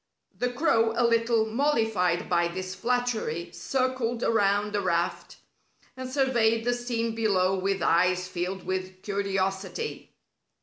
The crow, a little mollified by this flattery, circled around the raft, and surveyed the scene below with eyes filled with curiosity.